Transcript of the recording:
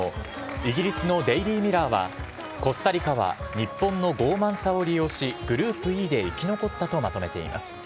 イギリスのデイリー・ミラーは、コスタリカは日本の傲慢さを利用し、グループＥで生き残ったとまとめています。